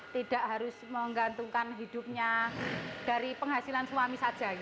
tidak harus menggantungkan hidupnya dari penghasilan suami saja